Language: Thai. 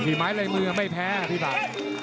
แต่ผีไม้ในมือไม่แพ้พี่ป่า